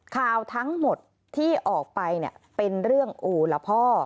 ข่าวทั้งหมดที่ออกไปเป็นเรื่องโอละพ่อ